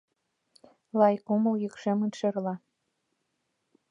Лай кумыл йӱкшемын шӧрла.